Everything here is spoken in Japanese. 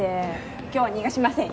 今日は逃がしませんよ。